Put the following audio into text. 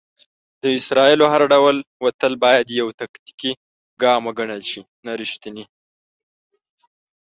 د اسرائیلو هر ډول وتل بايد يو "تاکتيکي ګام وګڼل شي، نه ريښتينی".